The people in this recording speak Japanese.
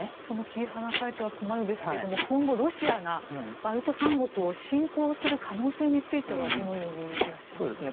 切り離されては困るですが今後、ロシアがバルト三国を侵攻する可能性についてはどのように見ていらっしゃいますか？